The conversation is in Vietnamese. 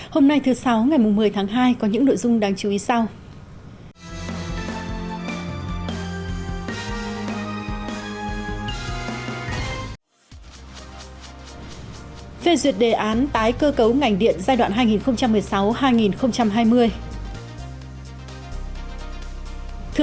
hôm nay thứ sáu ngày một mươi tháng hai có những nội dung đáng chú ý sau